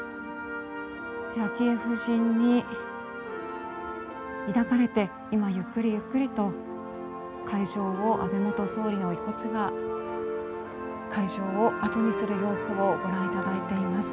昭恵夫人に抱かれて今ゆっくりゆっくりと安倍元総理の遺骨が会場を後にする様子をご覧いただいています。